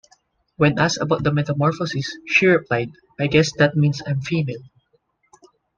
When asked about the metamorphosis, she replied, I guess that means I'm female.